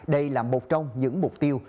đây là một trong những mục tiêu